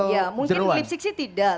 ya mungkin klipsic sih tidak